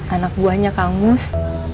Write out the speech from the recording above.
anak buahnya kang mus